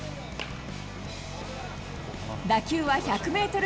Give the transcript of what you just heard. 打球は１００メートル